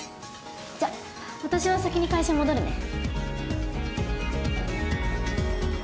じゃあ私は先に会社戻るね。